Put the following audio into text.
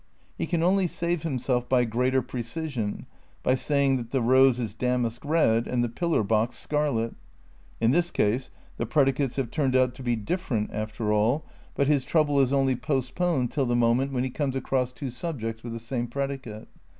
He can only save himself by (greater precision, by saying that the rose is damask red and the pillar box scarlet; in this case the predi cates have turned out to be different, after all, but his n THE CEITICAL PREPARATIONS 39 trouble is only postponed till the moment when he comes across two subjects with the same predicate.